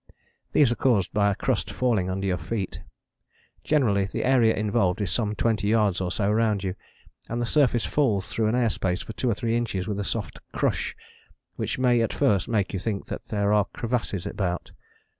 These are caused by a crust falling under your feet. Generally the area involved is some twenty yards or so round you, and the surface falls through an air space for two or three inches with a soft 'crush' which may at first make you think there are crevasses about.